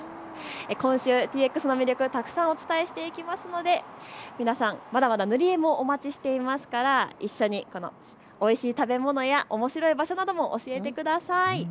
今週ＴＸの魅力お伝えしていきますので、皆さんまだまだ塗り絵もお待ちしていますから一緒においしい食べ物や楽しい場所を教えてください。